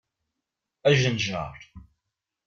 Ajenjar!